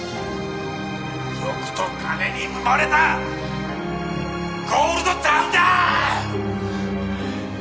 「欲と金に埋もれたゴールドタウンだ！」